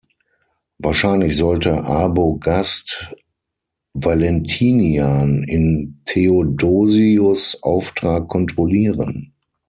Wahrscheinlich sollte Arbogast Valentinian in Theodosius’ Auftrag kontrollieren.